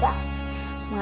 di sini mau enggak